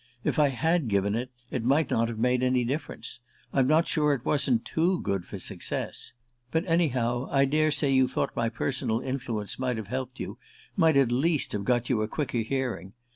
If I had given it, it might not have made any difference I'm not sure it wasn't too good for success but anyhow, I dare say you thought my personal influence might have helped you, might at least have got you a quicker hearing.